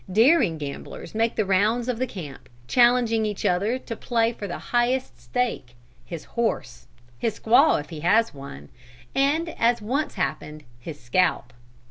Daring gamblers make the rounds of the camp, challenging each other to play for the highest stake his horse, his squaw if he have one, and as once happened his scalp.